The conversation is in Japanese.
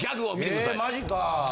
えマジか。